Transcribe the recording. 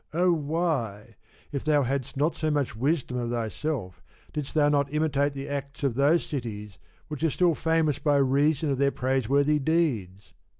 Oh why, if thou had*st not so much wisdom of thyself, didst thou not imitate the acts of those ^cities which are still famous by reason of their praise worthy deeds